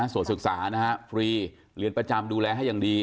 ส่วนศึกษาฟรีเรียนประจำดูแลให้อย่างดี